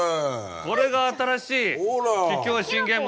これが新しい桔梗信玄餅。